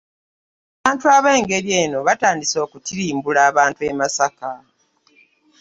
Abantu ab'engeri eno batandise okutirimbula abantu e Masaka.